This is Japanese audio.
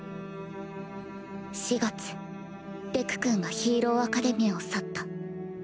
４月デクくんがヒーローアカデミアを去った。